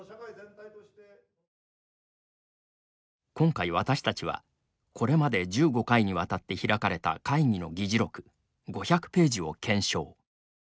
今回私たちは、これまで１５回にわたって開かれた会議の議事録５００ページを検証。